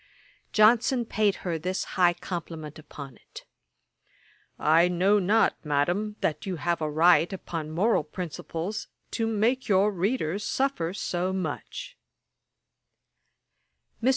Johnson paid her this high compliment upon it: 'I know not, Madam, that you have a right, upon moral principles, to make your readers suffer so much.' Mr.